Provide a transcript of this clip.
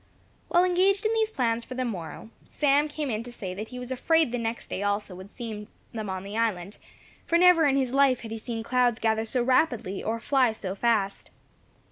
While engaged in these plans for the morrow, Sam came in to say that he was afraid the next day also would see them on the island, for never in his life had he seen clouds gather so rapidly, or fly so fast.